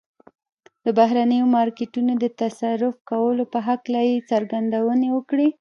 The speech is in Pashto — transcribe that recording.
د بهرنيو مارکيټونو د تصرف کولو په هکله يې څرګندونې وکړې.